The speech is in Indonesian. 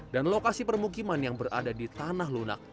dan lokasi permukiman yang berada di tanah lunak